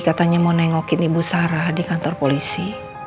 katanya mau nengokin ibu sarah di kantor polisi